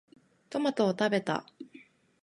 トマトを食べた。